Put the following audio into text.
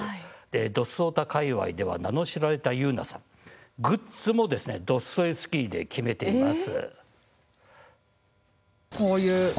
ドスオタ界わいでは名の知られた優菜さん、グッズもドストエフスキーで決めています。